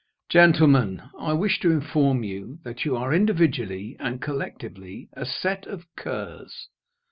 "Gentlemen, I wish to inform you that you are, individually and collectively, a set of curs."